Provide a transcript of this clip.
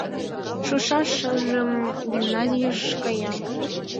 Шушаш шыжым гимназийыш кая.